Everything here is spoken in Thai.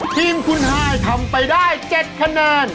ทีมคุณฮายทำไปได้๗คะแนน